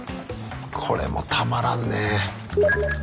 これもたまらんね。